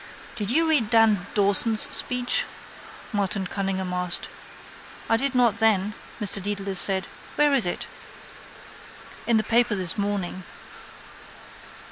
—Did you read Dan Dawson's speech? Martin Cunningham asked. —I did not then, Mr Dedalus said. Where is it? —In the paper this morning.